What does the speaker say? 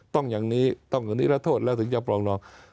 ต้องอย่างนี้ต้องอย่างนี้แล้วโทษแล้วถึงจะปรองดอง